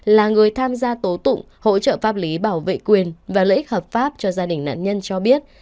là người tham gia tố tụng hỗ trợ pháp lý bảo vệ quyền và lợi ích hợp pháp cho gia đình nạn nhân cho biết